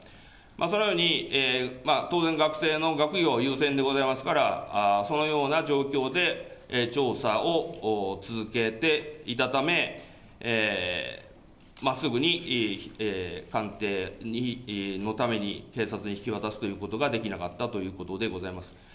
そのように当然、学生の学業優先でございますから、そのような状況で調査を続けていたため、すぐに鑑定のために警察に引き渡すということができなかったということでございます。